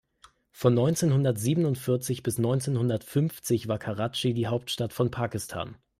Von neunzehnhundertsiebenundvierzig bis neunzehnhundertneunundfünfzig war Karatschi die Hauptstadt von Pakistan.